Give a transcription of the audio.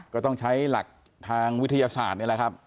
ก็ต้องใช้หลักทางวิทยาศาสตร์นี่แหละครับ